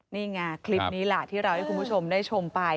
นี่ไงคลิปนี้ล่ะที่เราให้คุณผู้ชมได้ชมไป